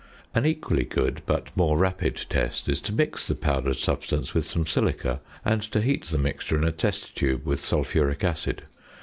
An equally good, but more rapid, test is to mix the powdered substance with some silica, and to heat the mixture in a test tube with sulphuric acid.